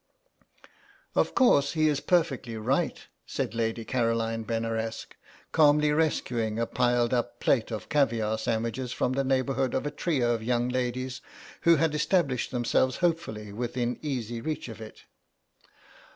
"Of course he is perfectly right," said Lady Caroline Benaresq, calmly rescuing a piled up plate of caviare sandwiches from the neighbourhood of a trio of young ladies who had established themselves hopefully within easy reach of it.